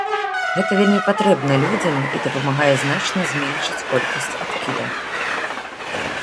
Гэта вельмі патрэбна людзям і дапамагае значна зменшыць колькасць адкідаў.